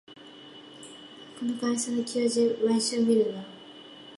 この会社の求人、毎週見るな